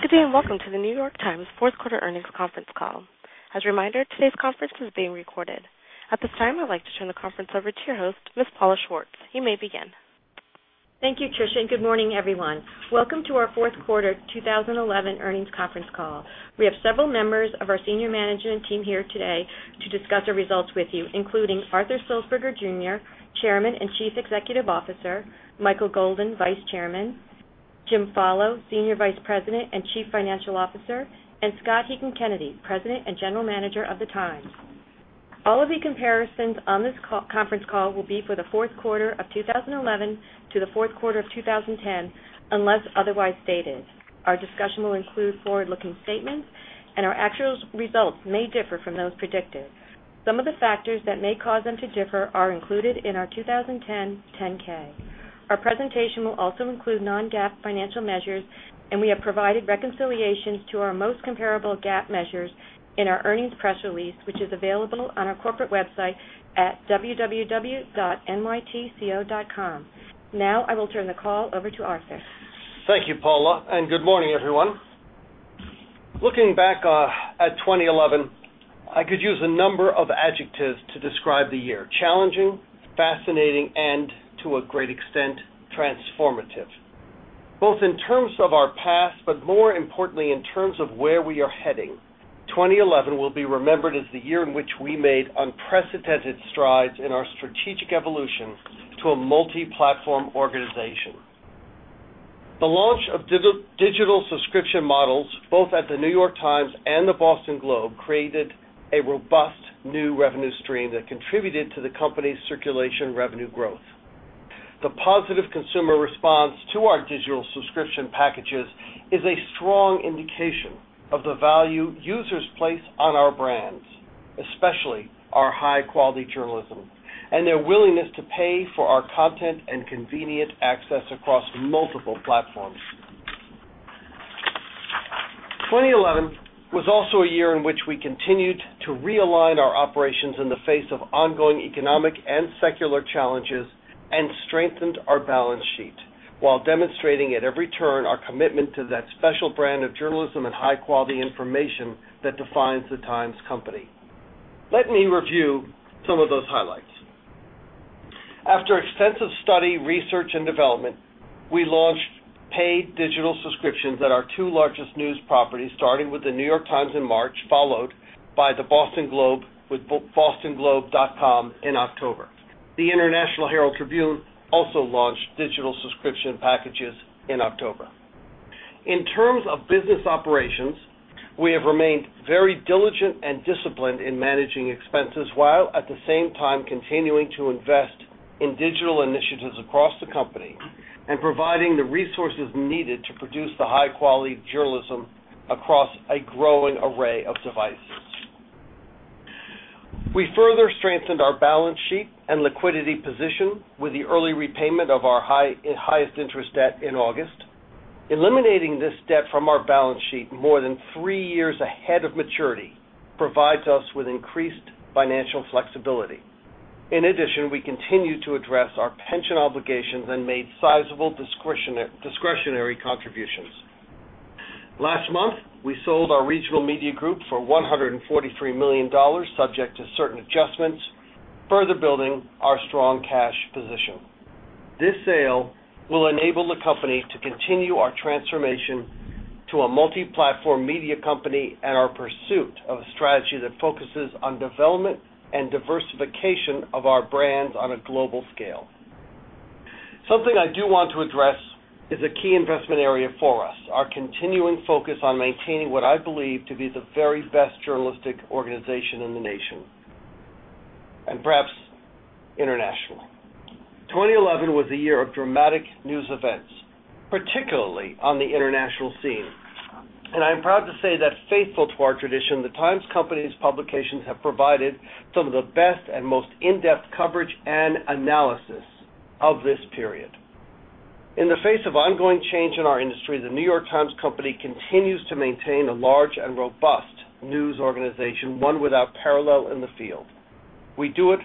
Good day, and welcome to The New York Times' fourth quarter earnings conference call. As a reminder, today's conference is being recorded. At this time, I'd like to turn the conference over to your host, Ms. Paula Schwartz. You may begin. Thank you, Tricia, and good morning, everyone. Welcome to our fourth quarter 2011 earnings conference call. We have several members of our senior management team here today to discuss our results with you, including Arthur Sulzberger Jr., Chairman and Chief Executive Officer, Michael Golden, Vice Chairman, Jim Follo, Senior Vice President and Chief Financial Officer, and Scott Heekin-Canedy, President and General Manager of The Times. All of the comparisons on this conference call will be for the fourth quarter of 2011 to the fourth quarter of 2010, unless otherwise stated. Our discussion will include forward-looking statements, and our actual results may differ from those predicted. Some of the factors that may cause them to differ are included in our 2010 10-K. Our presentation will also include non-GAAP financial measures, and we have provided reconciliations to our most comparable GAAP measures in our earnings press release, which is available on our corporate website at www.nytco.com. Now, I will turn the call over to Arthur. Thank you, Paula, and good morning, everyone. Looking back at 2011, I could use a number of adjectives to describe the year, challenging, fascinating, and, to a great extent, transformative. Both in terms of our past, but more importantly, in terms of where we are heading, 2011 will be remembered as the year in which we made unprecedented strides in our strategic evolution to a multi-platform organization. The launch of digital subscription models both at The New York Times and The Boston Globe created a robust new revenue stream that contributed to the company's circulation revenue growth. The positive consumer response to our digital subscription packages is a strong indication of the value users place on our brands, especially our high-quality journalism, and their willingness to pay for our content and convenient access across multiple platforms. 2011 was also a year in which we continued to realign our operations in the face of ongoing economic and secular challenges and strengthened our balance sheet while demonstrating at every turn our commitment to that special brand of journalism and high-quality information that defines The Times Company. Let me review some of those highlights. After extensive study, research, and development, we launched paid digital subscriptions at our two largest news properties, starting with The New York Times in March, followed by The Boston Globe with bostonglobe.com in October. The International Herald Tribune also launched digital subscription packages in October. In terms of business operations, we have remained very diligent and disciplined in managing expenses while at the same time continuing to invest in digital initiatives across the company and providing the resources needed to produce high-quality journalism across a growing array of devices. We further strengthened our balance sheet and liquidity position with the early repayment of our highest interest debt in August. Eliminating this debt from our balance sheet more than three years ahead of maturity provides us with increased financial flexibility. In addition, we continued to address our pension obligations and made sizable discretionary contributions. Last month, we sold our Regional Media Group for $143 million, subject to certain adjustments, further building our strong cash position. This sale will enable the company to continue our transformation to a multi-platform media company and our pursuit of a strategy that focuses on development and diversification of our brands on a global scale. Something I do want to address is a key investment area for us, our continuing focus on maintaining what I believe to be the very best journalistic organization in the nation, and perhaps internationally. 2011 was a year of dramatic news events, particularly on the international scene. I am proud to say that, faithful to our tradition, The New York Times Company's publications have provided some of the best and most in-depth coverage and analysis of this period. In the face of ongoing change in our industry, The New York Times Company continues to maintain a large and robust news organization, one without parallel in the field. We do it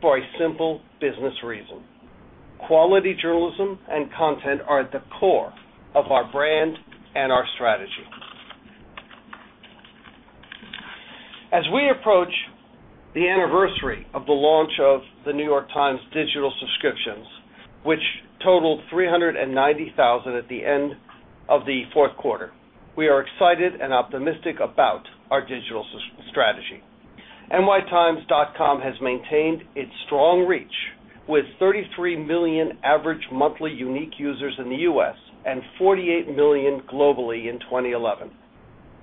for a simple business reason. Quality journalism and content are at the core of our brand and our strategy. As we approach the anniversary of the launch of The New York Times' digital subscriptions, which totaled 390,000 at the end of the fourth quarter, we are excited and optimistic about our digital strategy. nytimes.com has maintained its strong reach, with 33 million average monthly unique users in the U.S. and 48 million globally in 2011.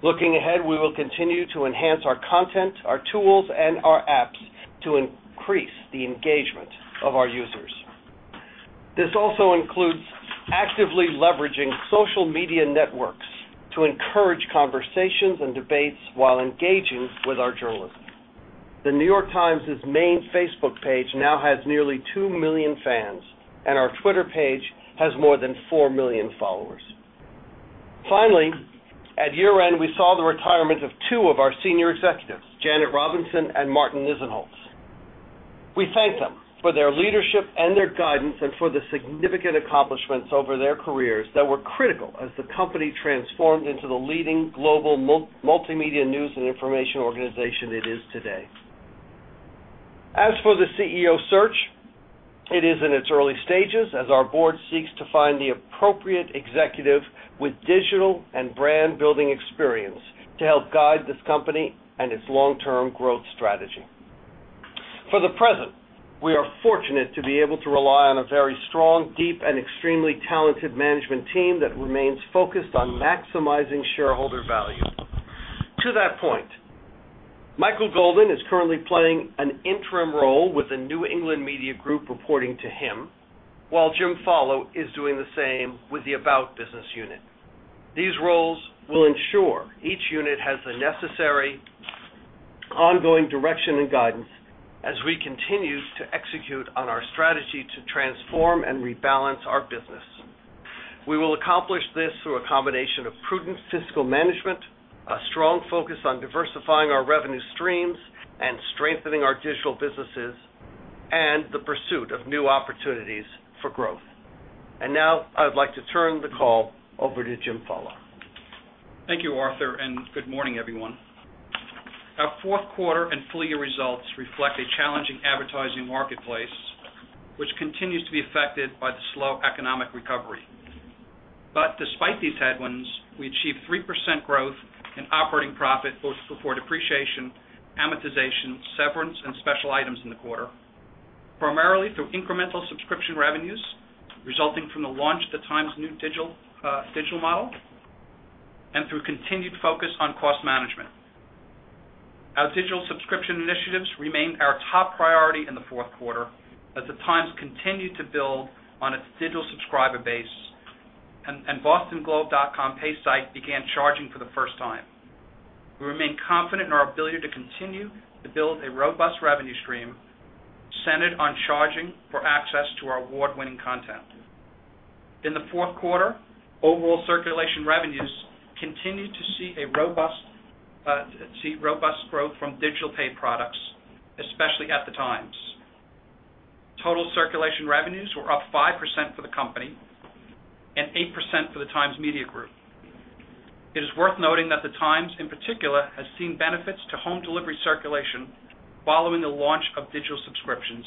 Looking ahead, we will continue to enhance our content, our tools, and our apps to increase the engagement of our users. This also includes actively leveraging social media networks to encourage conversations and debates while engaging with our journalists. The New York Times' main Facebook page now has nearly 2 million fans, and our Twitter page has more than 4 million followers. Finally, at year-end, we saw the retirement of two of our senior executives, Janet Robinson and Martin Nisenholtz. We thank them for their leadership and their guidance and for the significant accomplishments over their careers that were critical as the company transformed into the leading global multimedia news and information organization it is today. As for the CEO search, it is in its early stages as our board seeks to find the appropriate executive with digital and brand-building experience to help guide this company and its long-term growth strategy. For the present, we are fortunate to be able to rely on a very strong, deep, and extremely talented management team that remains focused on maximizing shareholder value. To that point, Michael Golden is currently playing an interim role with the New England Media Group reporting to him, while Jim Follo is doing the same with the About business unit. These roles will ensure each unit has the necessary ongoing direction and guidance as we continue to execute on our strategy to transform and rebalance our business. We will accomplish this through a combination of prudent fiscal management, a strong focus on diversifying our revenue streams and strengthening our digital businesses, and the pursuit of new opportunities for growth. Now I would like to turn the call over to Jim Follo. Thank you, Arthur, and good morning, everyone. Our fourth quarter and full-year results reflect a challenging advertising marketplace, which continues to be affected by the slow economic recovery. Despite these headwinds, we achieved 3% growth in operating profit both before depreciation, amortization, severance, and special items in the quarter, primarily through incremental subscription revenues resulting from the launch of The Times' new digital model and through continued focus on cost management. Our digital subscription initiatives remained our top priority in the fourth quarter as The Times continued to build on its digital subscriber base and bostonglobe.com pay site began charging for the first time. We remain confident in our ability to continue to build a robust revenue stream centered on charging for access to our award-winning content. In the fourth quarter, overall circulation revenues continued to see robust growth from digital paid products, especially at The Times. Total circulation revenues were up 5% for the company and 8% for The Times Media Group. It is worth noting that The Times, in particular, has seen benefits to home delivery circulation following the launch of digital subscriptions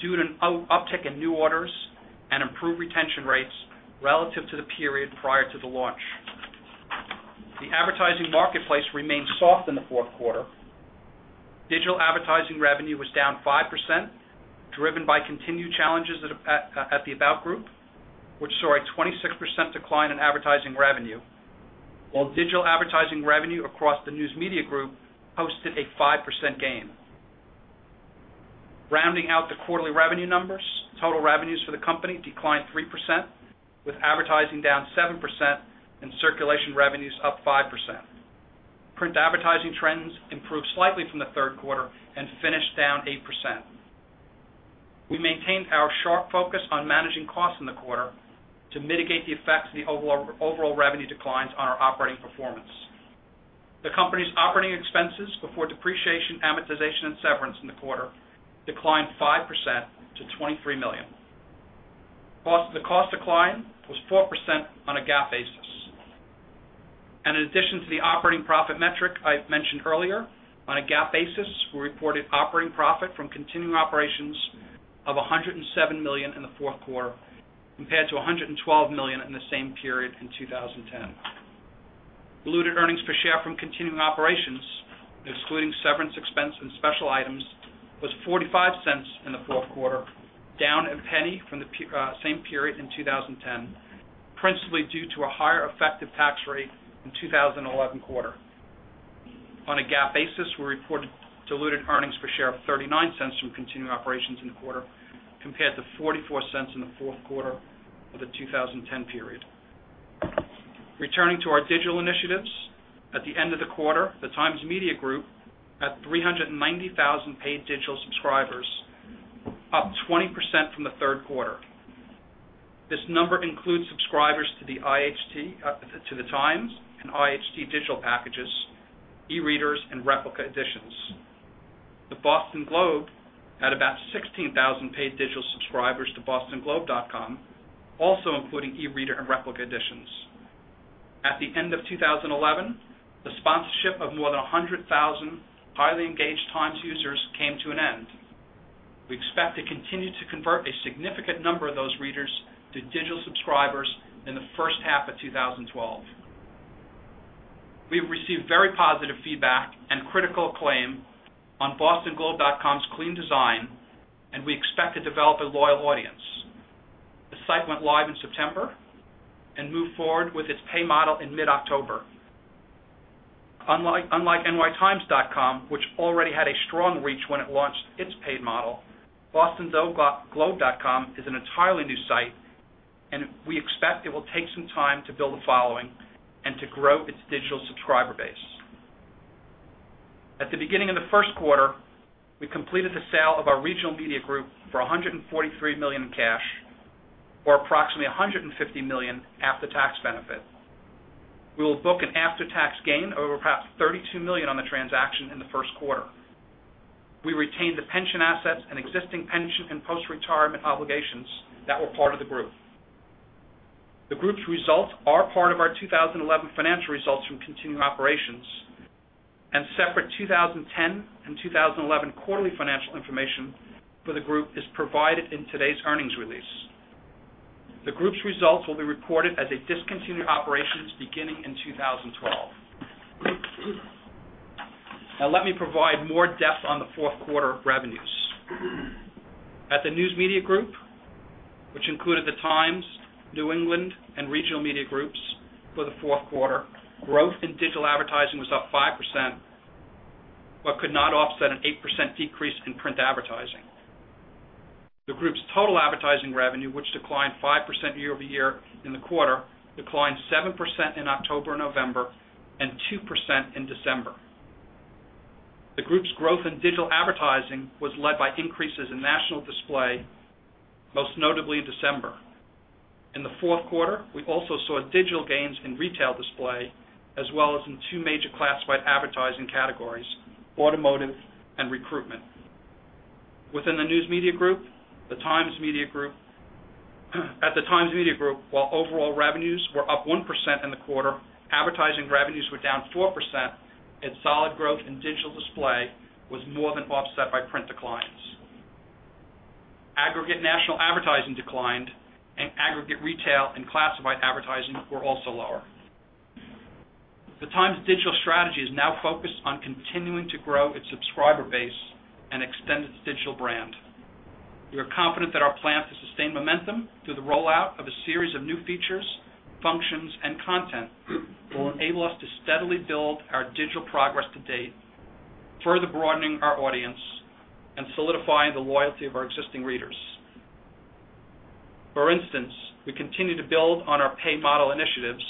due to an uptick in new orders and improved retention rates relative to the period prior to the launch. The advertising marketplace remained soft in the fourth quarter. Digital advertising revenue was down 5%, driven by continued challenges at the About Group, which saw a 26% decline in advertising revenue, while digital advertising revenue across the News Media Group posted a 5% gain. Rounding out the quarterly revenue numbers, total revenues for the company declined 3%, with advertising down 7% and circulation revenues up 5%. Print advertising trends improved slightly from the third quarter and finished down 8%. We maintained our sharp focus on managing costs in the quarter to mitigate the effects of the overall revenue declines on our operating performance. The company's operating expenses before depreciation, amortization, and severance in the quarter declined 5% to $23 million. The cost decline was 4% on a GAAP basis. In addition to the operating profit metric I mentioned earlier, on a GAAP basis, we reported operating profit from continuing operations of $107 million in the fourth quarter compared to $112 million in the same period in 2010. Diluted earnings per share from continuing operations, excluding severance expense and special items, was $0.45 in the fourth quarter, down $0.01 from the same period in 2010, principally due to a higher effective tax rate in 2011 quarter. On a GAAP basis, we reported diluted earnings per share of $0.39 from continuing operations in the quarter compared to $0.44 in the fourth quarter of the 2010 period. Returning to our digital initiatives, at the end of the quarter, The Times Media Group had 390,000 paid digital subscribers, up 20% from the third quarter. This number includes subscribers to The Times and IHT digital packages, e-readers, and replica editions. The Boston Globe had about 16,000 paid digital subscribers to bostonglobe.com, also including e-reader and replica editions. At the end of 2011, the sponsorship of more than 100,000 highly engaged Times users came to an end. We expect to continue to convert a significant number of those readers to digital subscribers in the first half of 2012. We've received very positive feedback and critical acclaim on bostonglobe.com's clean design, and we expect to develop a loyal audience. The site went live in September and moved forward with its pay model in mid-October. Unlike nytimes.com, which already had a strong reach when it launched its paid model, bostonglobe.com is an entirely new site, and we expect it will take some time to build a following and to grow its digital subscriber base. At the beginning of the first quarter, we completed the sale of our Regional Media Group for $143 million in cash, or approximately $150 million after-tax benefit. We will book an after-tax gain of over perhaps $32 million on the transaction in the first quarter. We retained the pension assets and existing pension and post-retirement obligations that were part of the group. The group's results are part of our 2011 financial results from continuing operations, and separate 2010 and 2011 quarterly financial information for the group is provided in today's earnings release. The group's results will be reported as discontinued operations beginning in 2012. Now let me provide more depth on the fourth quarter revenues. At the News Media Group, which included the Times, New England, and Regional Media Group for the fourth quarter, growth in digital advertising was up 5%, but could not offset an 8% decrease in print advertising. The group's total advertising revenue, which declined 5% year over year in the quarter, declined 7% in October, November, and 2% in December. The group's growth in digital advertising was led by increases in national display, most notably December. In the fourth quarter, we also saw digital gains in retail display, as well as in two major classified advertising categories, automotive and recruitment. At the Times Media Group, while overall revenues were up 1% in the quarter, advertising revenues were down 4%, and solid growth in digital display was more than offset by print declines. Aggregate national advertising declined, and aggregate retail and classified advertising were also lower. The Times' digital strategy is now focused on continuing to grow its subscriber base and extend its digital brand. We are confident that our plan to sustain momentum through the rollout of a series of new features, functions, and content will enable us to steadily build our digital progress to date, further broadening our audience and solidifying the loyalty of our existing readers. For instance, we continue to build on our pay model initiatives,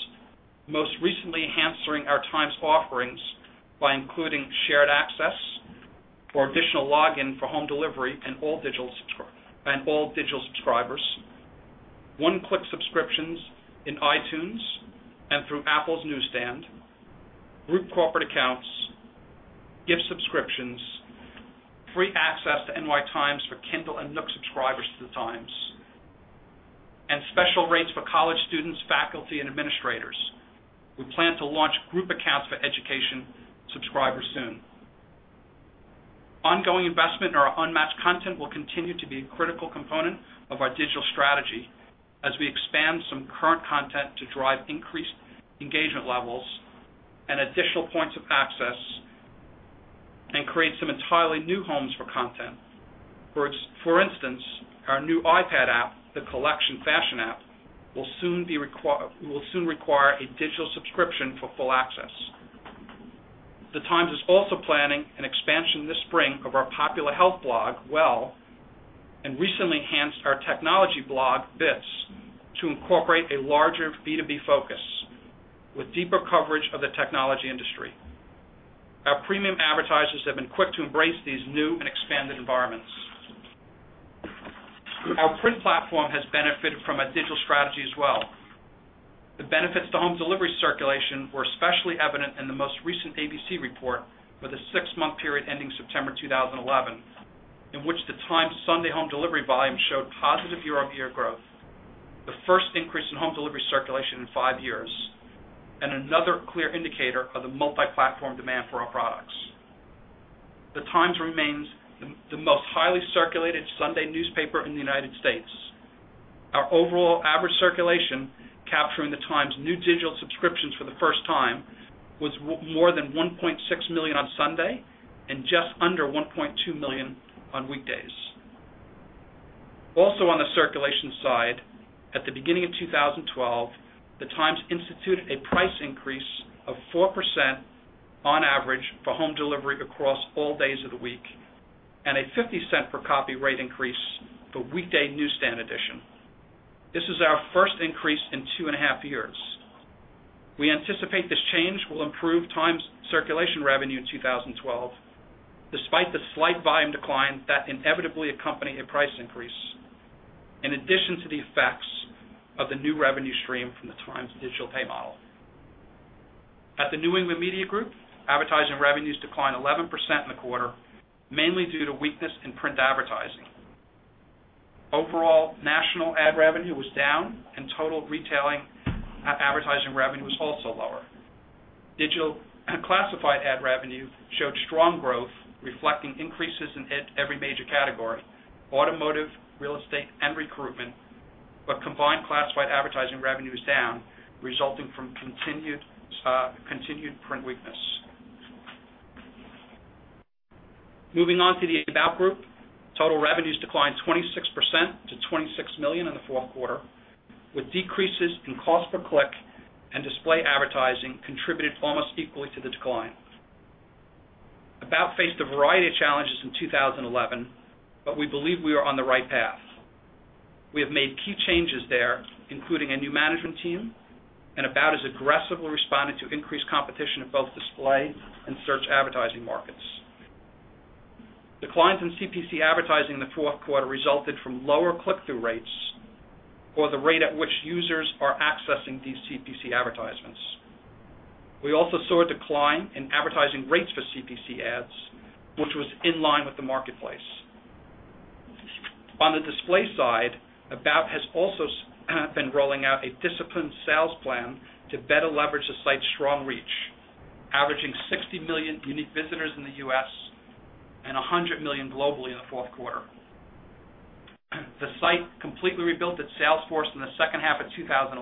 most recently enhancing our Times offerings by including shared access or additional login for home delivery and all digital subscribers, one-click subscriptions in iTunes and through Apple's Newsstand, group corporate accounts, gift subscriptions, free access to NYTimes for Kindle and Nook subscribers to the Times, and special rates for college students, faculty, and administrators. We plan to launch group accounts for education subscribers soon. Ongoing investment in our unmatched content will continue to be a critical component of our digital strategy as we expand some current content to drive increased engagement levels and additional points of access and create some entirely new homes for content. For instance, our new iPad app, The Collection fashion app, will soon require a digital subscription for full access. The Times is also planning an expansion this spring of our popular health blog, Well, and recently enhanced our technology blog, Bits, to incorporate a larger B2B focus with deeper coverage of the technology industry. Our premium advertisers have been quick to embrace these new and expanded environments. Our print platform has benefited from a digital strategy as well. The benefits to home delivery circulation were especially evident in the most recent ABC report for the six-month period ending September 2011, in which The Times' Sunday home delivery volume showed positive year-over-year growth, the first increase in home delivery circulation in five years and another clear indicator of the multi-platform demand for our products. The Times remains the most highly circulated Sunday newspaper in the United States. Our overall average circulation, capturing The Times' new digital subscriptions for the first time, was more than 1.6 million on Sunday and just under 1.2 million on weekdays. Also on the circulation side, at the beginning of 2012, The Times instituted a price increase of 4% on average for home delivery across all days of the week, and a $0.50 per copy rate increase for weekday newsstand edition. This is our first increase in two and a half years. We anticipate this change will improve Times circulation revenue in 2012, despite the slight volume decline that inevitably accompanies a price increase, in addition to the effects of the new revenue stream from The Times' digital pay model. At the New England Media Group, advertising revenues declined 11% in the quarter, mainly due to weakness in print advertising. Overall, national ad revenue was down and total retailing advertising revenue was also lower. Classified ad revenue showed strong growth, reflecting increases in every major category, automotive, real estate, and recruitment. Combined classified advertising revenue is down, resulting from continued print weakness. Moving on to the About Group. Total revenues declined 26% to $26 million in the fourth quarter, with decreases in cost per click and display advertising contributed almost equally to the decline. About faced a variety of challenges in 2011, but we believe we are on the right path. We have made key changes there, including a new management team, and About has aggressively responded to increased competition in both display and search advertising markets. Decline from CPC advertising in the fourth quarter resulted from lower click-through rates or the rate at which users are accessing these CPC advertisements. We also saw a decline in advertising rates for CPC ads, which was in line with the marketplace. On the display side, About has also been rolling out a disciplined sales plan to better leverage the site's strong reach, averaging 60 million unique visitors in the U.S. and 100 million globally in the fourth quarter. The site completely rebuilt its sales force in the second half of 2011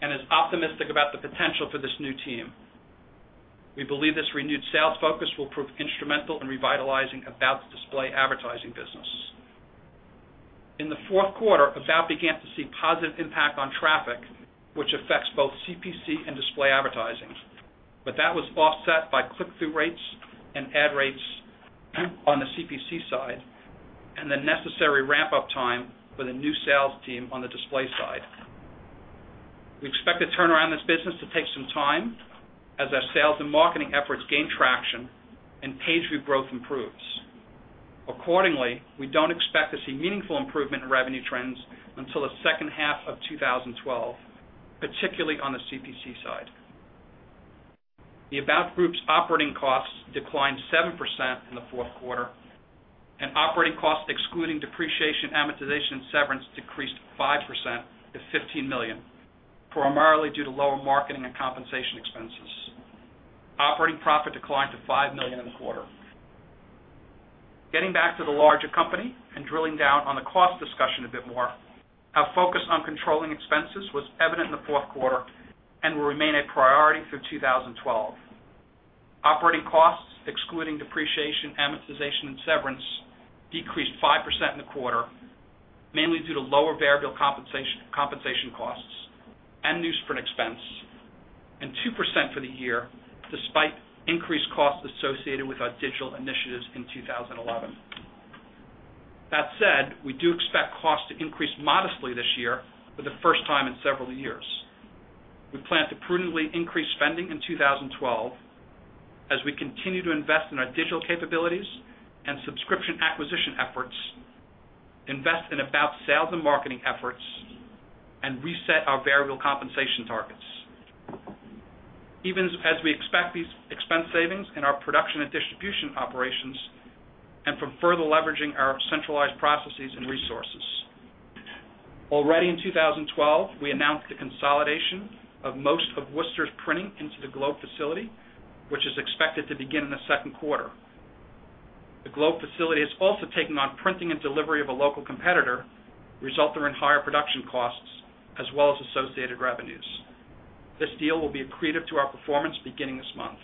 and is optimistic about the potential for this new team. We believe this renewed sales focus will prove instrumental in revitalizing About's display advertising business. In the fourth quarter, About began to see positive impact on traffic, which affects both CPC and display advertising, but that was offset by click-through rates and ad rates on the CPC side and the necessary ramp-up time for the new sales team on the display side. We expect to turn around this business to take some time as our sales and marketing efforts gain traction and page view growth improves. Accordingly, we don't expect to see meaningful improvement in revenue trends until the second half of 2012, particularly on the CPC side. The About Group's operating costs declined 7% in the fourth quarter, and operating costs excluding depreciation, amortization, and severance decreased 5% to $15 million, primarily due to lower marketing and compensation expenses. Operating profit declined to $5 million in the quarter. Getting back to the larger company and drilling down on the cost discussion a bit more, our focus on controlling expenses was evident in the fourth quarter and will remain a priority through 2012. Operating costs, excluding depreciation, amortization, and severance, decreased 5% in the quarter, mainly due to lower variable compensation costs and newsprint expense and 2% for the year, despite increased costs associated with our digital initiatives in 2011. That said, we do expect costs to increase modestly this year for the first time in several years. We plan to prudently increase spending in 2012 as we continue to invest in our digital capabilities and subscription acquisition efforts, invest in About sales and marketing efforts, and reset our variable compensation targets, even as we expect these expense savings in our production and distribution operations and from further leveraging our centralized processes and resources. Already in 2012, we announced the consolidation of most of Worcester's printing into the Globe facility, which is expected to begin in the second quarter. The Globe facility is also taking on printing and delivery of a local competitor, resulting in higher production costs as well as associated revenues. This deal will be accretive to our performance beginning this month.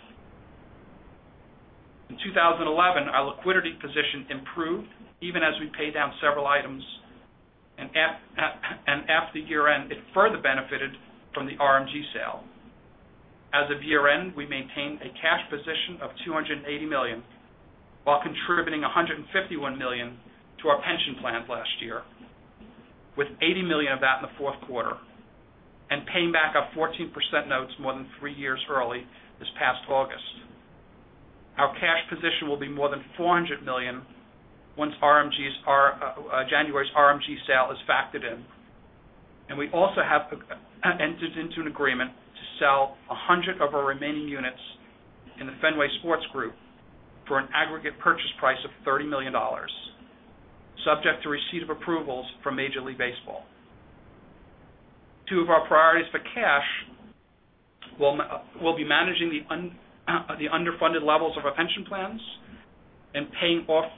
In 2011, our liquidity position improved even as we paid down several items, and at the year-end, it further benefited from the RMG sale. As of year-end, we maintained a cash position of $280 million while contributing $151 million to our pension plan last year, with $80 million of that in the fourth quarter and paying back our 14% notes more than three years early this past August. Our cash position will be more than $400 million once January's RMG sale is factored in, and we also have entered into an agreement to sell 100 of our remaining units in the Fenway Sports Group for an aggregate purchase price of $30 million, subject to receipt of approvals from Major League Baseball. Two of our priorities for cash will be managing the underfunded levels of our pension plans and paying off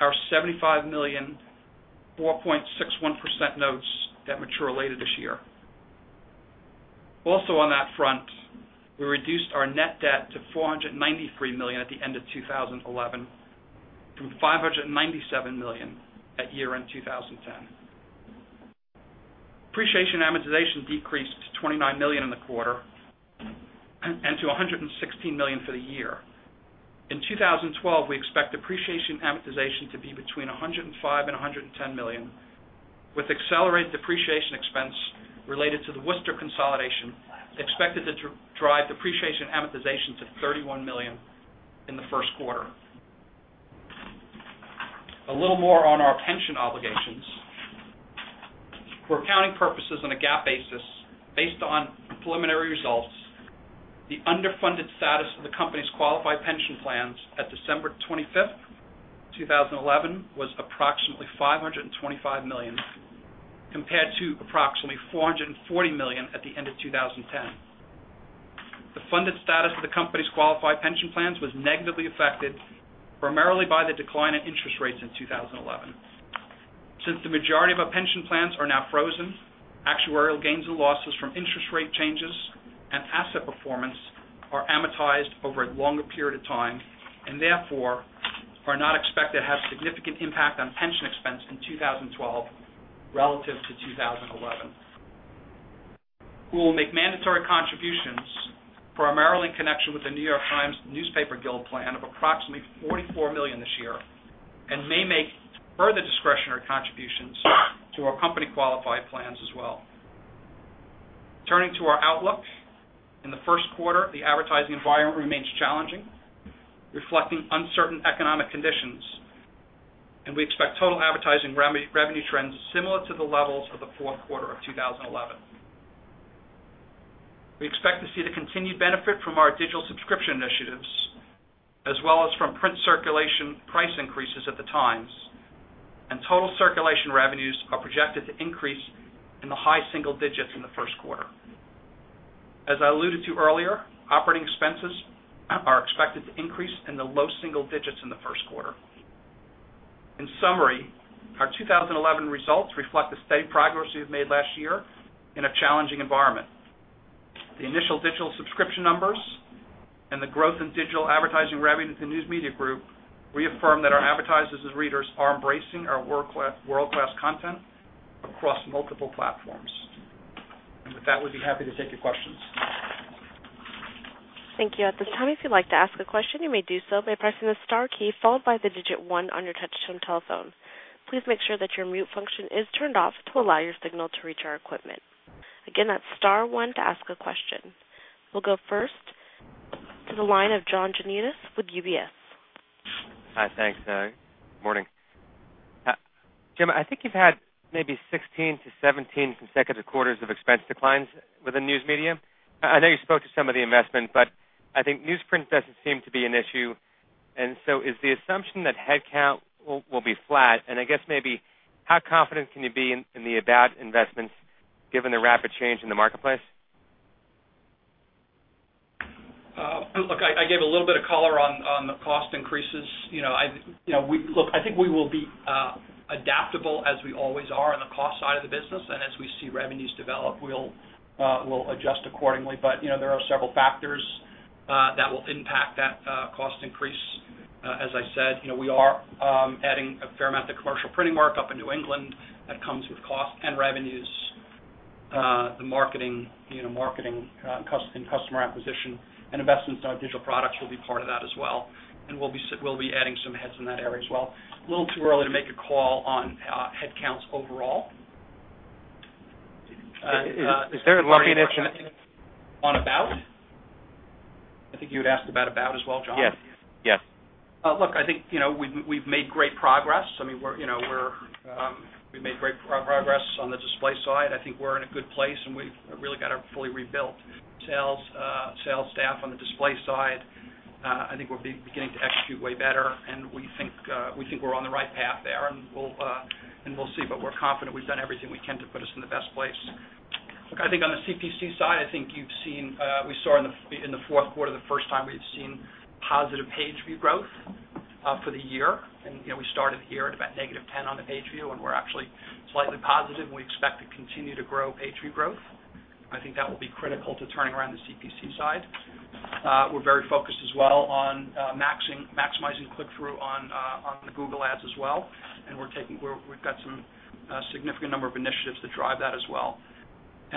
our $75 million 4.61% notes that mature later this year. Also on that front, we reduced our net debt to $493 million at the end of 2011 from $597 million at year-end 2010. Depreciation and amortization decreased to $29 million in the quarter and to $116 million for the year. In 2012, we expect depreciation and amortization to be between $105 million and $110 million, with accelerated depreciation expense related to the Worcester consolidation expected to drive depreciation and amortization to $31 million in the first quarter. A little more on our pension obligations. For accounting purposes on a GAAP basis, based on preliminary results, the underfunded status of the company's qualified pension plans at December 25th, 2011, was approximately $525 million, compared to approximately $440 million at the end of 2010. The funded status of the company's qualified pension plans was negatively affected, primarily by the decline in interest rates in 2011. Since the majority of our pension plans are now frozen, actuarial gains and losses from interest rate changes and asset performance are amortized over a longer period of time and, therefore, are not expected to have a significant impact on pension expense in 2012 relative to 2011. We will make mandatory contributions, primarily in connection with The New York Times Newspaper Guild plan of approximately $44 million this year and may make further discretionary contributions to our company qualified plans as well. Turning to our outlook. In the first quarter, the advertising environment remains challenging, reflecting uncertain economic conditions, and we expect total advertising revenue trends similar to the levels of the fourth quarter of 2011. We expect to see the continued benefit from our digital subscription initiatives, as well as from print circulation price increases at the Times, and total circulation revenues are projected to increase in the high single digits in the first quarter. As I alluded to earlier, operating expenses are expected to increase in the low single digits in the first quarter. In summary, our 2011 results reflect the steady progress we've made last year in a challenging environment. The initial digital subscription numbers and the growth in digital advertising revenue to News Media Group reaffirm that our advertisers and readers are embracing our world-class content across multiple platforms. With that, we'd be happy to take your questions. Thank you. At this time, if you'd like to ask a question, you may do so by pressing the star key, followed by the digit one on your touchtone telephone. Please make sure that your mute function is turned off to allow your signal to reach our equipment. Again, that's star one to ask a question. We'll go first to the line of John Janedis with UBS. Hi. Thanks. Morning. Jim, I think you've had maybe 16-17 consecutive quarters of expense declines with the news media. I know you spoke to some of the investment, but I think newsprint doesn't seem to be an issue, and so is the assumption that headcount will be flat? I guess maybe how confident can you be in the About investments given the rapid change in the marketplace? Look, I gave a little bit of color on the cost increases. Look, I think we will be adaptable, as we always are, on the cost side of the business. As we see revenues develop, we'll adjust accordingly. There are several factors that will impact that cost increase. As I said, we are adding a fair amount to commercial printing work up in New England. That comes with costs and revenues. The marketing and customer acquisition and investments in our digital products will be part of that as well, and we'll be adding some heads in that area as well. A little too early to make a call on headcounts overall. Is there an opportunity? On About? I think you had asked About as well, John? Yes. Look, I think we've made great progress. We've made great progress on the display side. I think we're in a good place, and we've really got a fully rebuilt sales staff on the display side. I think we're beginning to execute way better, and we think we're on the right path there, and we'll see, but we're confident we've done everything we can to put us in the best place. Look, I think on the CPC side, I think we saw in the fourth quarter the first time we've seen positive page view growth for the year. We started the year at about -10% on the page view, and we're actually slightly positive, and we expect to continue to grow page view growth. I think that will be critical to turning around the CPC side. We're very focused as well on maximizing click-through on the Google ads as well, and we've got some significant number of initiatives to drive that as well.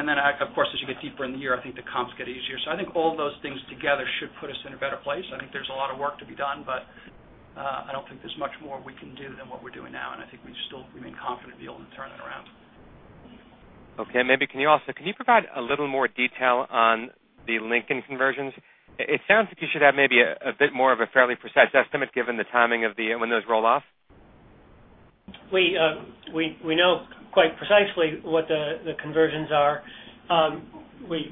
Then of course, as you get deeper in the year, I think the comps get easier. I think all of those things together should put us in a better place. I think there's a lot of work to be done, but I don't think there's much more we can do than what we're doing now, and I think we remain confident we'll be able to turn it around. Okay. Can you provide a little more detail on the Lincoln conversions? It sounds like you should have maybe a bit more of a fairly precise estimate given the timing of when those roll off. We know quite precisely what the conversions are.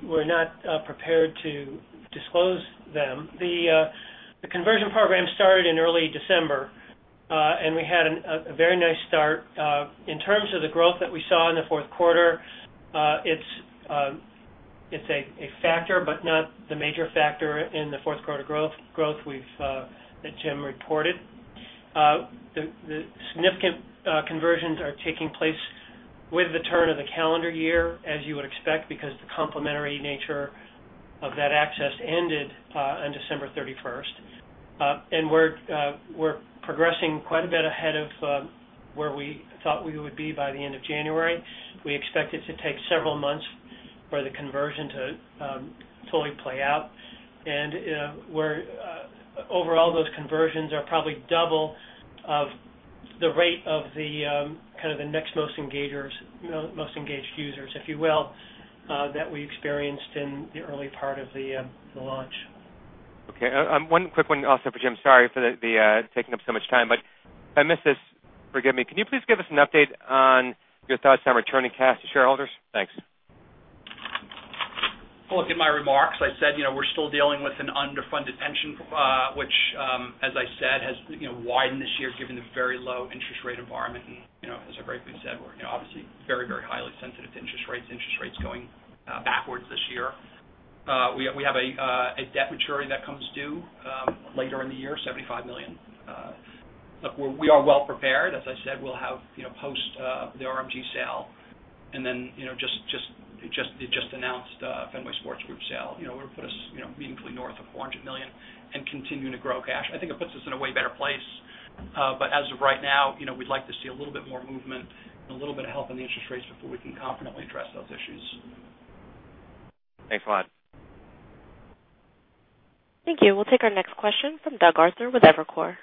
We're not prepared to disclose them. The conversion program started in early December, and we had a very nice start. In terms of the growth that we saw in the fourth quarter, it's a factor, but not the major factor in the fourth quarter growth that Jim reported. The significant conversions are taking place with the turn of the calendar year, as you would expect, because the complementary nature of that access ended on December 31st. We're progressing quite a bit ahead of where we thought we would be by the end of January. We expect it to take several months for the conversion to fully play out. Overall, those conversions are probably double of the rate of the next most engaged users, if you will, that we experienced in the early part of the launch. Okay. One quick one also for Jim. Sorry for taking up so much time, but if I missed this, forgive me. Can you please give us an update on your thoughts on returning cash to shareholders? Thanks. Look, in my remarks, I said we're still dealing with an underfunded pension, which as I said, has widened this year given the very low interest rate environment. As I previously said, we're obviously very highly sensitive to interest rates going backwards this year. We have a debt maturity that comes due later in the year, $75 million. Look, we are well prepared. As I said, we'll have post the RMG sale, and then the just announced Fenway Sports Group sale. It would put us meaningfully north of $400 million and continuing to grow cash. I think it puts us in a way better place. As of right now, we'd like to see a little bit more movement and a little bit of help in the interest rates before we can confidently address those issues. Thanks a lot. Thank you. We'll take our next question from Doug Arthur with Evercore.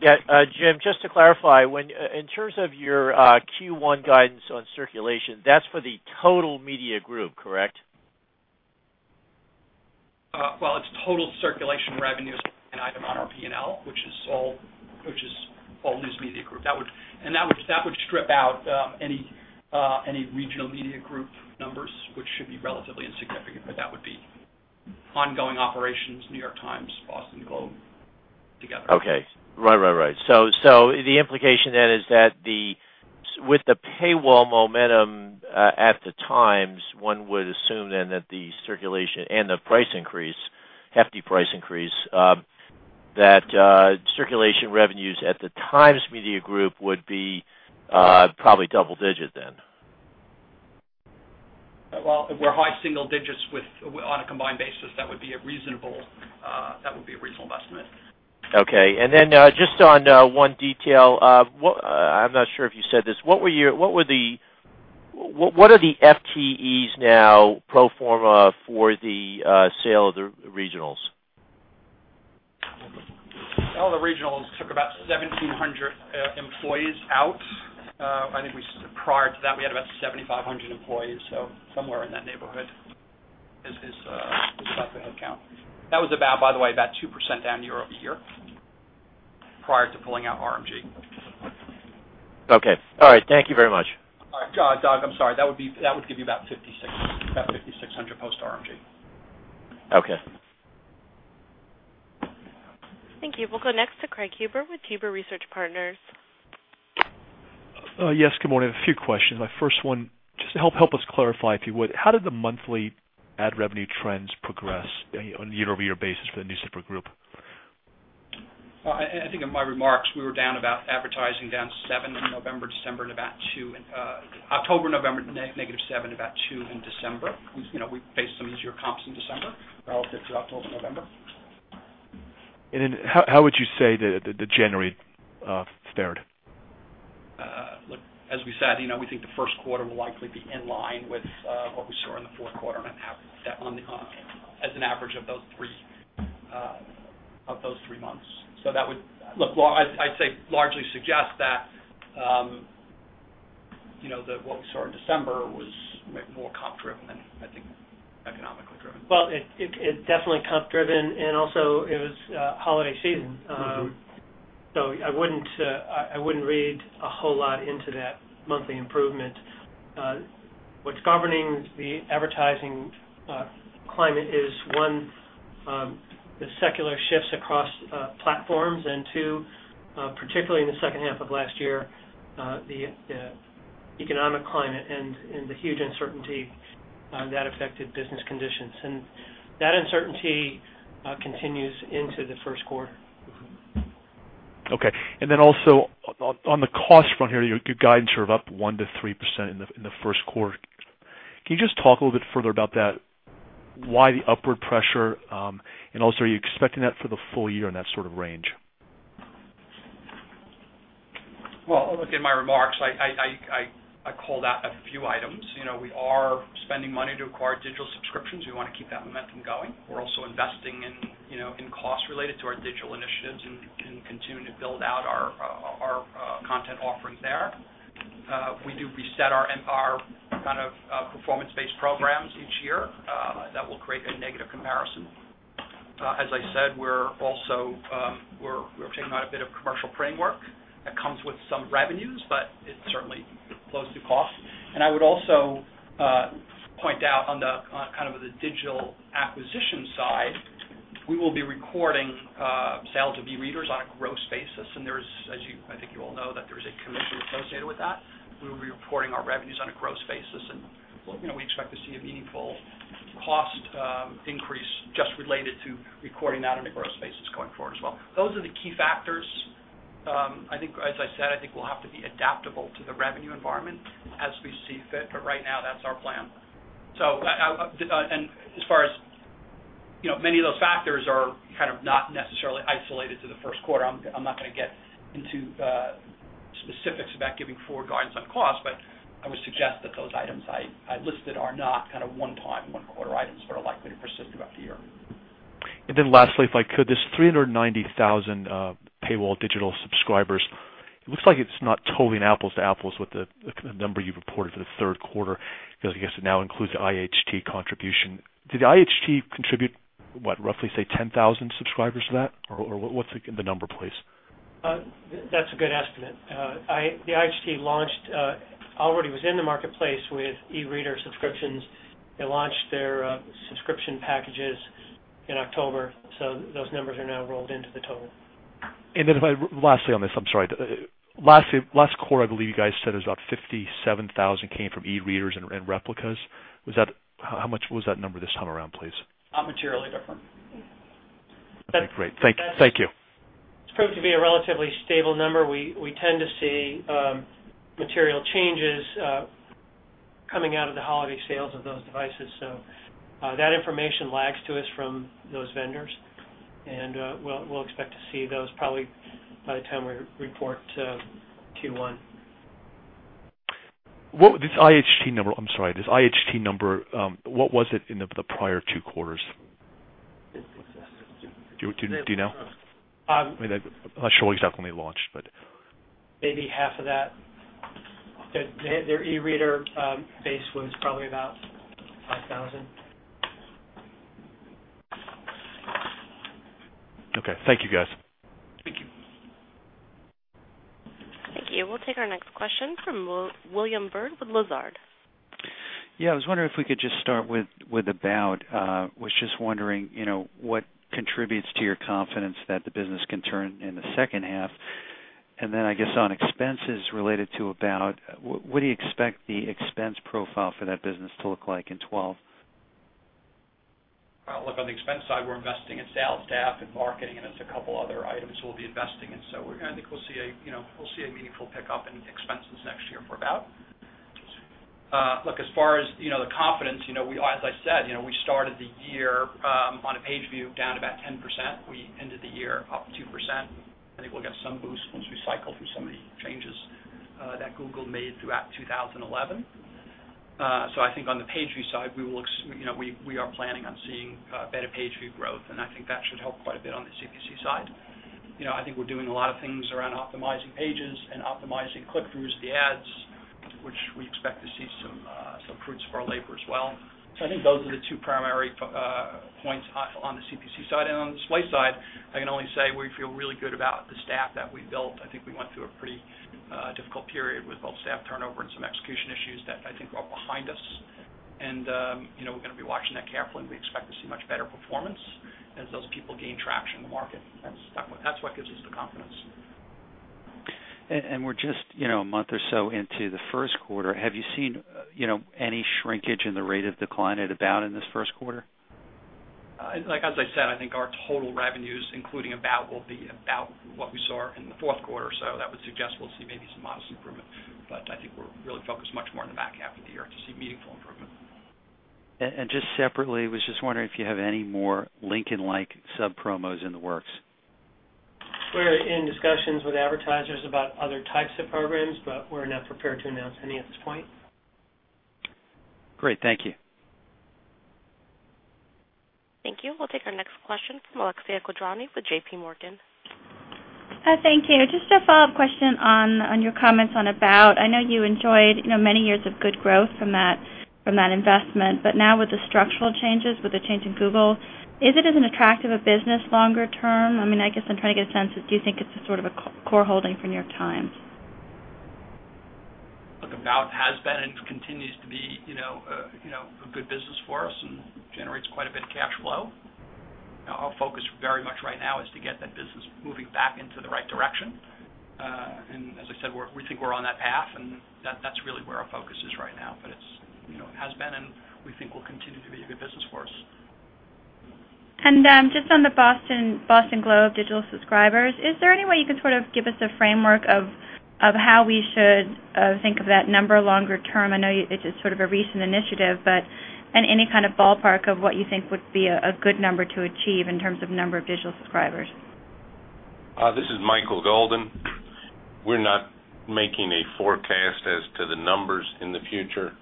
Yeah. Jim, just to clarify, in terms of your Q1 guidance on circulation, that's for the Total Media Group, correct? Well, it's total circulation revenues as an item on our P&L, which is all News Media Group. That would strip out any Regional Media Group numbers, which should be relatively insignificant, but that would be ongoing operations, New York Times, Boston Globe together. Okay. Right. The implication then is that with the paywall momentum at the Times, one would assume then that the circulation and the hefty price increase, that circulation revenues at the Times Media Group would be probably double digit then. Well, if we're high single digits on a combined basis, that would be a reasonable estimate. Okay. Just on one detail, I'm not sure if you said this, what are the FTEs now pro forma for the sale of the regionals? All the regionals took about 1,700 employees out. I think prior to that, we had about 7,500 employees. Somewhere in that neighborhood is the headcount. That was, by the way, about 2% down year-over-year prior to pulling out RMG. Okay. All right. Thank you very much. Doug, I'm sorry. That would give you about 5,600 post RMG. Okay. Thank you. We'll go next to Craig Huber with Huber Research Partners. Yes, good morning. A few questions. My first one, just to help us clarify, if you would, how did the monthly ad revenue trends progress on a year-over-year basis for the News Media Group? I think in my remarks, we were down. About advertising down 7% in November, December, and about 2% in October, November, -7%, about 2% in December. We faced some easier comps in December relative to October, November. How would you say that the January fared? Look, as we said, we think the first quarter will likely be in line with what we saw in the fourth quarter and as an average of those three months. I'd say largely suggests that what we saw in December was more comp-driven than I think economically driven. Well, it definitely comp driven and also it was holiday season. I wouldn't read a whole lot into that monthly improvement. What's governing the advertising climate is one, the secular shifts across platforms, and two, particularly in the second half of last year, the economic climate and the huge uncertainty that affected business conditions. That uncertainty continues into the first quarter. Okay. Then also on the cost front here, your guidance are up 1%-3% in the first quarter. Can you just talk a little bit further about that? Why the upward pressure? And also, are you expecting that for the full year in that sort of range? Well, look, in my remarks, I called out a few items. We are spending money to acquire digital subscriptions. We want to keep that momentum going. We're also investing in costs related to our digital initiatives and continuing to build out our content offerings there. We do reset our kind of performance-based programs each year. That will create a negative comparison. As I said, we're taking on a bit of commercial framework that comes with some revenues, but it certainly flows through cost. I would also point out on kind of the digital acquisition side, we will be recording sales of e-readers on a gross basis. I think you all know that there's a commission associated with that. We will be reporting our revenues on a gross basis, and we expect to see a meaningful cost increase just related to recording that on a gross basis going forward as well. Those are the key factors. As I said, I think we'll have to be adaptable to the revenue environment as we see fit, but right now that's our plan. Many of those factors are kind of not necessarily isolated to the first quarter. I'm not going to get into specifics about giving forward guidance on cost, but I would suggest that those items I listed are not kind of one-time, one-quarter items, but are likely to persist throughout the year. Lastly, if I could, this 390,000 paywall digital subscribers, it looks like it's not totally an apples-to-apples with the number you've reported for the third quarter, because I guess it now includes the IHT contribution. Did the IHT contribute, what, roughly, say, 10,000 subscribers to that? Or what's the number please? That's a good estimate. The IHT already was in the marketplace with e-reader subscriptions. They launched their subscription packages in October, so those numbers are now rolled into the total. Lastly on this, I'm sorry. Last quarter, I believe you guys said it was about 57,000 came from e-readers and replicas. How much was that number this time around, please? Not materially different. Okay, great. Thank you. It's proved to be a relatively stable number. We tend to see material changes coming out of the holiday sales of those devices. That information lags to us from those vendors, and we'll expect to see those probably by the time we report Q1. This IHT number, what was it in the prior two quarters? Do you know? I'm not sure exactly when they launched, but. Maybe half of that. Their e-reader base was probably about 5,000. Okay. Thank you, guys. Thank you. Thank you. We'll take our next question from William Bird with Lazard. Yeah. I was wondering if we could just start with About. Was just wondering what contributes to your confidence that the business can turn in the second half, and then I guess on expenses related to About, what do you expect the expense profile for that business to look like in 2012? Look, on the expense side, we're investing in sales, staff, and marketing, and there's a couple other items we'll be investing in. I think we'll see a meaningful pickup in expenses next year for About. Look, as far as the confidence, as I said, we started the year on a page view down about 10%. We ended the year up 2%. I think we'll get some boost once we cycle through some of the changes that Google made throughout 2011. I think on the page view side, we are planning on seeing better page view growth, and I think that should help quite a bit on the CPC side. I think we're doing a lot of things around optimizing pages and optimizing click-throughs, the ads, which we expect to see some fruits for our labor as well. I think those are the two primary points on the CPC side. On the display side, I can only say we feel really good about the staff that we built. I think we went through a pretty difficult period with both staff turnover and some execution issues that I think are behind us. We're going to be watching that carefully, and we expect to see much better performance as those people gain traction in the market. That's what gives us the confidence. We're just a month or so into the first quarter. Have you seen any shrinkage in the rate of decline at About in this first quarter? As I said, I think our total revenues, including About, will be about what we saw in the fourth quarter. That would suggest we'll see maybe some modest improvement, but I think we're really focused much more on the back half of the year to see meaningful improvement. Just separately, I was just wondering if you have any more Lincoln-like sub promos in the works. We're in discussions with advertisers about other types of programs, but we're not prepared to announce any at this point. Great. Thank you. Thank you. We'll take our next question from Alexia Quadrani with JPMorgan. Hi. Thank you. Just a follow-up question on your comments on About. I know you enjoyed many years of good growth from that investment. Now with the structural changes, with the change in Google, is it as attractive a business longer term? I guess I'm trying to get a sense of, do you think it's a sort of a core holding for New York Times? Look, About has been and continues to be a good business for us and generates quite a bit of cash flow. Now, our focus very much right now is to get that business moving back into the right direction. As I said, we think we're on that path, and that's really where our focus is right now. It has been, and we think will continue to be a good business for us. Just on The Boston Globe digital subscribers, is there any way you can sort of give us a framework of how we should think of that number longer term? I know it's just sort of a recent initiative, but any kind of ballpark of what you think would be a good number to achieve in terms of number of digital subscribers? This is Michael Golden. We're not making a forecast as to the numbers in the future.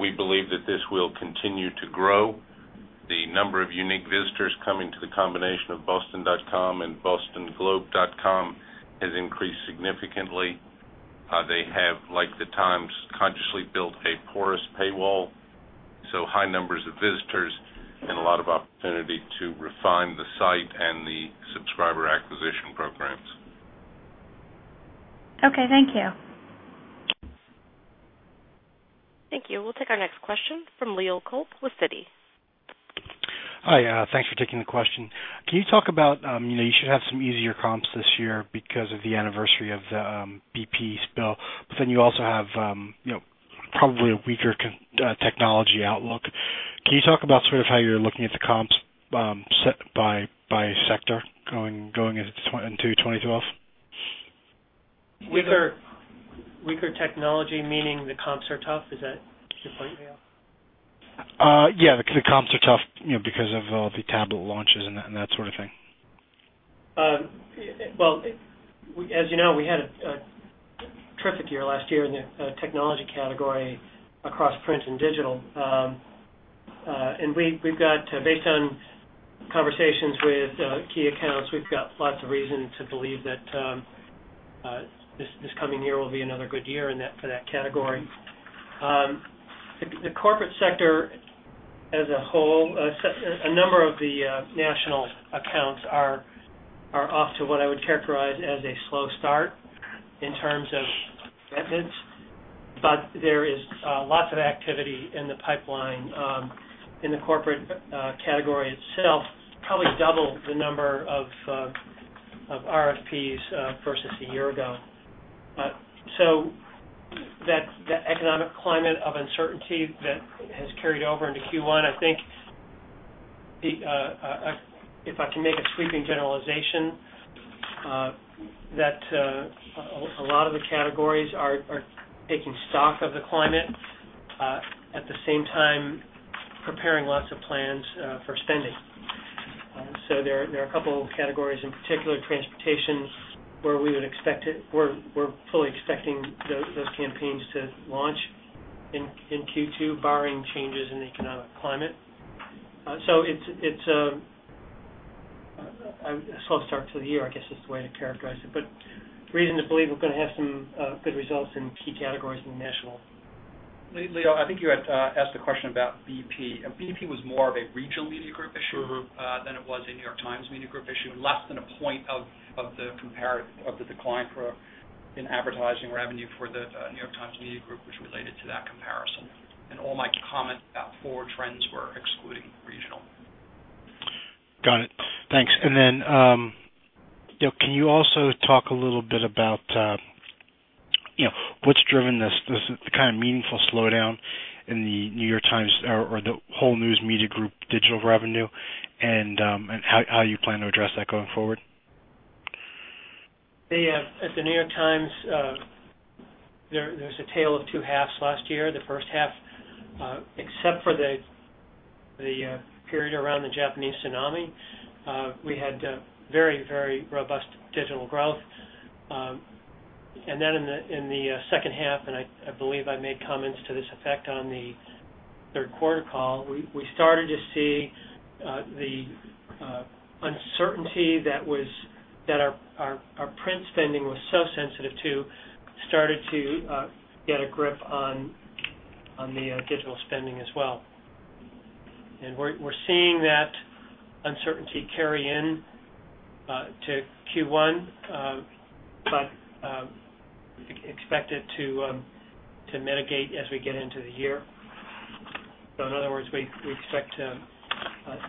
We believe that this will continue to grow. The number of unique visitors coming to the combination of boston.com and bostonglobe.com has increased significantly. They have, like the Times, consciously built a porous paywall, so high numbers of visitors and a lot of opportunity to refine the site and the subscriber acquisition programs. Okay, thank you. Thank you. We'll take our next question from Leo Kulp with Citi. Hi. Thanks for taking the question. You should have some easier comps this year because of the anniversary of the BP spill. You also have probably a weaker technology outlook. Can you talk about sort of how you're looking at the comps set by sector going into 2012? Weaker technology, meaning the comps are tough? Is that your point, Leo? Yeah, the comps are tough because of all the tablet launches and that sort of thing. Well, as you know, we had a terrific year last year in the technology category across print and digital. Based on conversations with key accounts, we've got lots of reason to believe that this coming year will be another good year for that category. The corporate sector as a whole, a number of the national accounts are off to what I would characterize as a slow start in terms of orders. There is lots of activity in the pipeline in the corporate category itself, probably double the number of RFPs versus a year ago. That economic climate of uncertainty that has carried over into Q1, I think if I can make a sweeping generalization that a lot of the categories are taking stock of the climate. At the same time, preparing lots of plans for spending. There are a couple of categories, in particular transportation, where we're fully expecting those campaigns to launch in Q2, barring changes in the economic climate. It's a slow start to the year, I guess, is the way to characterize it. Reason to believe we're going to have some good results in key categories in the national. Leo, I think you had asked a question about BP. BP was more of a Regional Media Group issue than it was a New York Times Media Group issue. Less than a point of the decline in advertising revenue for the New York Times Media Group was related to that comparison. All my comments about forward trends were excluding regional. Got it. Thanks. Can you also talk a little bit about what's driven this kind of meaningful slowdown in The New York Times or the whole News Media Group digital revenue, and how you plan to address that going forward? At The New York Times, there was a tale of two halves last year. The first half, except for the period around the Japanese tsunami, we had very robust digital growth. Then in the second half, and I believe I made comments to this effect on the third quarter call, we started to see the uncertainty that our print spending was so sensitive to started to get a grip on the digital spending as well. We're seeing that uncertainty carry into Q1 but expect it to mitigate as we get into the year. In other words, we expect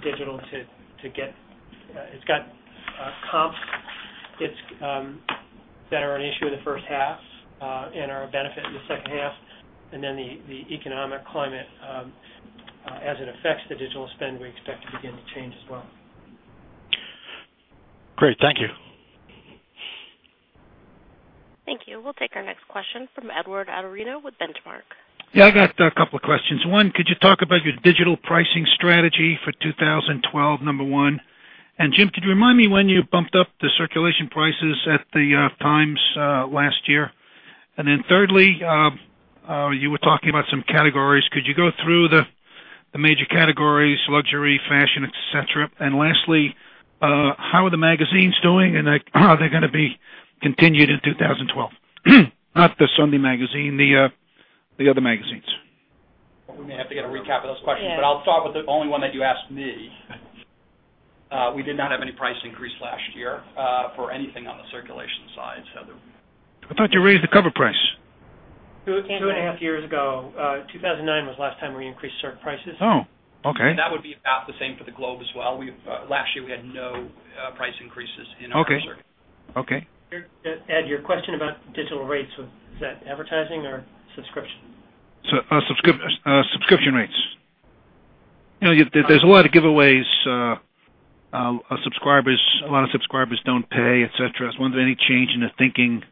digital to get. It's got comps that are an issue in the first half and are a benefit in the second half, and then the economic climate as it affects the digital spend, we expect to begin to change as well. Great. Thank you. Thank you. We'll take our next question from Edward Atorino with Benchmark. Yeah. I got a couple of questions. One, could you talk about your digital pricing strategy for 2012? Number one, Jim, could you remind me when you bumped up the circulation prices at the Times last year? Then thirdly, you were talking about some categories. Could you go through the major categories, luxury, fashion, et cetera? Lastly, how are the magazines doing and are they going to be continued in 2012? Not the Sunday magazine, the other magazines. We may have to get a recap of those questions, but I'll start with the only one that you asked me. We did not have any price increase last year for anything on the circulation side. I thought you raised the cover price. Two and a half years ago, 2009 was the last time we increased circ prices. Oh, okay. That would be about the same for the Globe as well. Last year we had no price increases in our circ. Okay. Ed, your question about digital rates, is that advertising or subscription? Subscription rates. There's a lot of giveaways. A lot of subscribers don't pay, et cetera. I was wondering, any change in the thinking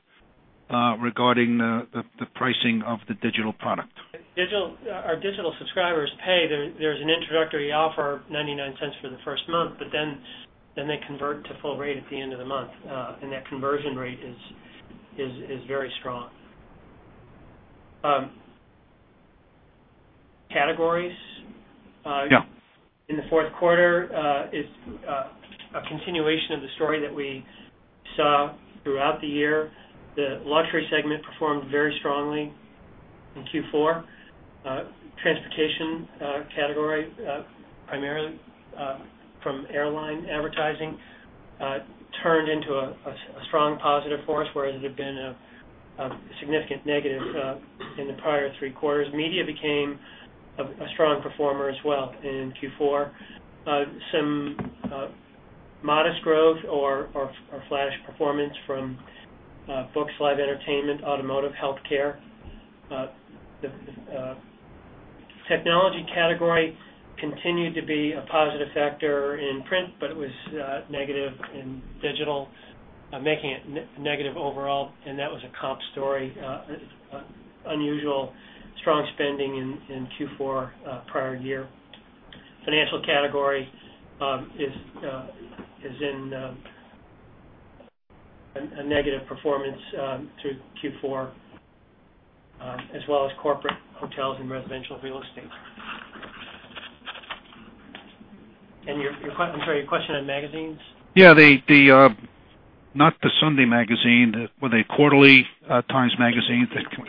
regarding the pricing of the digital product? Our digital subscribers pay. There's an introductory offer, $0.99 for the first month, but then they convert to full rate at the end of the month. That conversion rate is very strong. Categories? Yeah. In the fourth quarter, it's a continuation of the story that we saw throughout the year. The luxury segment performed very strongly in Q4. Transportation category primarily from airline advertising turned into a strong positive force where it had been a significant negative in the prior three quarters. Media became a strong performer as well in Q4. Some modest growth or flat-ish performance from books, live entertainment, automotive, healthcare. The technology category continued to be a positive factor in print, but it was negative in digital, making it negative overall. That was a comp story, unusual strong spending in Q4 prior year. Financial category is in a negative performance through Q4 as well as corporate hotels and residential real estate. I'm sorry, your question on magazines? Yeah. Not the Sunday magazine. Were they quarterly Times magazines that Well,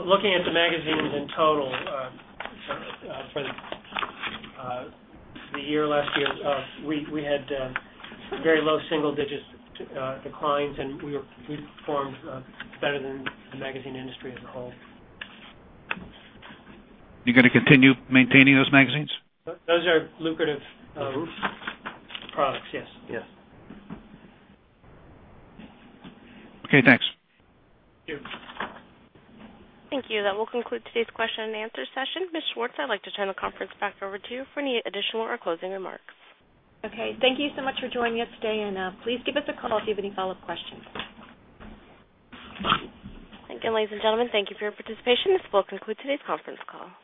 looking at the magazines in total for the year last year, we had very low single-digit declines, and we performed better than the magazine industry as a whole. You going to continue maintaining those magazines? Those are lucrative products, yes. Yes. Okay. Thanks. Thank you. Thank you. That will conclude today's question and answer session. Ms. Schwartz, I'd like to turn the conference back over to you for any additional or closing remarks. Okay. Thank you so much for joining us today, and please give us a call if you have any follow-up questions. Thank you, ladies and gentlemen. Thank you for your participation. This will conclude today's conference call.